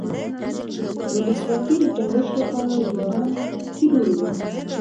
د ولسواکۍ د ټینګښت لپاره ځوانان حیاتي رول لري.